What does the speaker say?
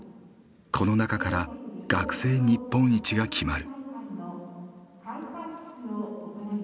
この中から学生日本一が決まる。